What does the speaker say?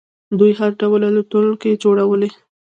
دوی هر ډول الوتکې جوړوي.